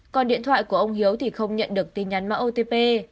còn điện thoại của ông hiếu thì không nhận được tin nhắn mã otp